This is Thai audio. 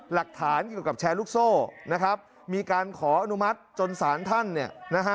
หลักฐานเกี่ยวกับแชร์ลูกโซ่นะครับมีการขออนุมัติจนสารท่านเนี่ยนะฮะ